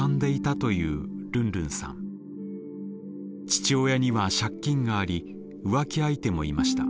父親には借金があり浮気相手もいました。